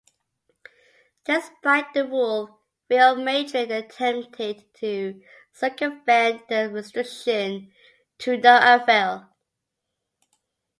Despite the rule, Real Madrid attempted to circumvent the restriction, to no avail.